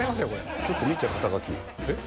ちょっと見て、肩書。